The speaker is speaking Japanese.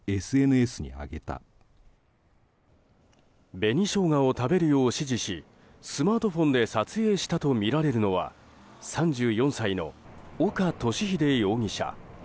紅ショウガを食べるよう指示しスマートフォンで撮影したとみられるのは３４歳の岡敏秀容疑者。